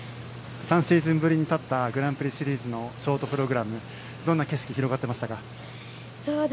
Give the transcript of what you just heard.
３シーズンぶりに立ったグランプリシリーズのショートプログラムどんな景色広がっていましたか。